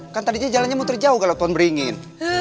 kan tadi aja jalannya muter jauh kalau pohon beringin